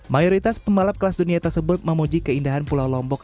mayoritas pembalap kelas dunia tersebut memuji keindahan pulau lombok